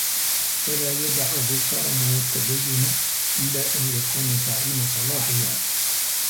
فَلَا يَدَعْهُ الْكَرَمُ وَالتَّدَيُّنُ إلَّا أَنْ يَكُونَ زَعِيمَ صَلَاحِهَا